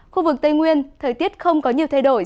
khu vực tây nguyên thời tiết không có nhiều thay đổi